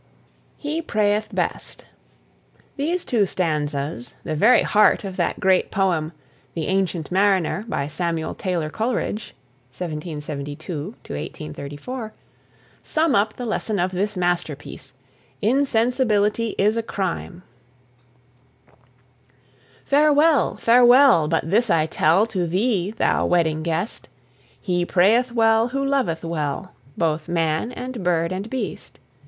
HE PRAYETH BEST. These two stanzas, the very heart of that great poem, "The Ancient Mariner," by Samuel Taylor Coleridge (1772 1834), sum up the lesson of this masterpiece "Insensibility is a crime." Farewell, farewell! but this I tell To thee, thou Wedding Guest! He prayeth well who loveth well Both man and bird and beast.